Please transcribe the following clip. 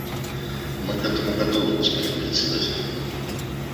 Мы к этому готовы, господин Председатель.